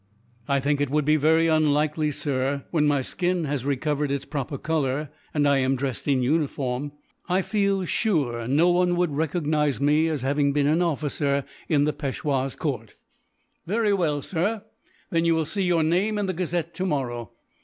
"I think it would be very unlikely, sir. When my skin has recovered its proper colour, and I am dressed in uniform, I feel sure no one would recognize me as having been an officer in the Peishwa's court." "Very well, sir. Then you will see your name in the gazette, tomorrow.